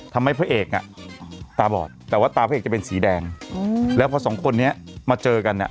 พระเอกอ่ะตาบอดแต่ว่าตาพระเอกจะเป็นสีแดงแล้วพอสองคนนี้มาเจอกันอ่ะ